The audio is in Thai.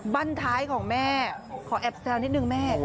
บ้านท้ายของแม่ขอแอบแซวนิดนึงแม่